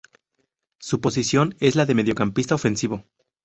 Su posición es la de mediocampista ofensivo.